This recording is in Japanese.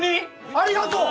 ありがとう！